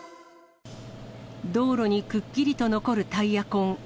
道路にくっきりと残るタイヤ痕。